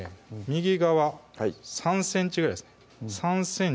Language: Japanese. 右側３ｃｍぐらいですね